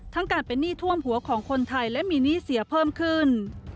การเป็นหนี้ท่วมหัวของคนไทยและมีหนี้เสียเพิ่มขึ้น